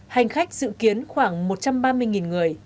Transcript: hành khách dự kiến khoảng một trăm ba mươi người